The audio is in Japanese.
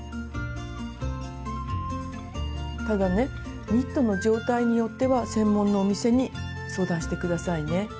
ただねニットの状態によっては専門のお店に相談して下さいね。